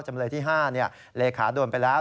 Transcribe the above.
จำเลยที่๕เลขาโดนไปแล้ว